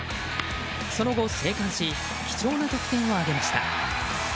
その後、生還し貴重な得点を挙げました。